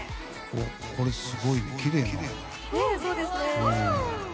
これ、すごいきれいだね。